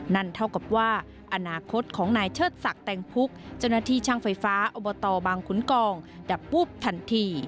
นั่นเท่ากับว่าอนาคตของนายเชิดศักดิ์แตงพุกเจ้าหน้าที่ช่างไฟฟ้าอบตบางขุนกองดับปุ๊บทันที